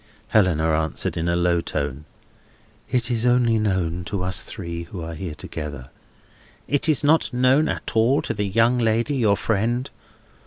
Helena answered in a low voice: "It is only known to us three who are here together." "It is not at all known to the young lady, your friend?"